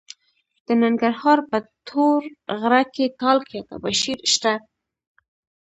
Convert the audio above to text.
د ننګرهار په تور غره کې تالک یا تباشیر شته.